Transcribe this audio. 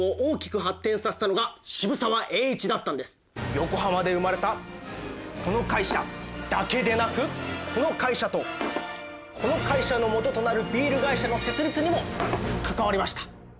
実は横浜で生まれたこの会社だけでなくこの会社とこの会社の元となるビール会社の設立にも関わりました。